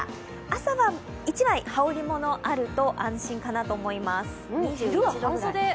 朝は１枚羽織り物があると安心かなと思います。